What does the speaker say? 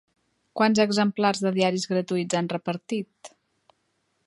Quants exemplars de diaris gratuïts han repartit?